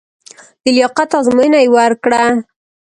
د لیاقت ازموینه یې ورکړه.